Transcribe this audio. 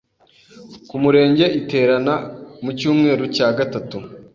Ku Murenge iterana mu cyumweru cya gatatu;